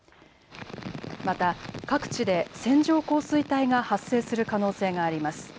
また各地で線状降水帯が発生する可能性があります。